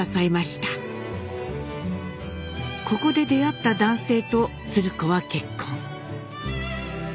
ここで出会った男性と鶴子は結婚。